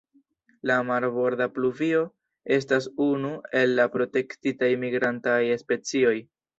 La Marborda pluvio estas unu el la protektitaj migrantaj specioj.